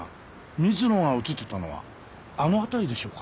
水野が映ってたのはあの辺りでしょうか？